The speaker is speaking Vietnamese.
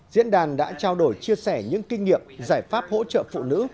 diễn đàn đã trao đổi chia sẻ những kinh nghiệm giải pháp hỗ trợ phụ nữ